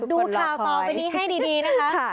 ดูข่าวต่อไปนี้ให้ดีนะคะ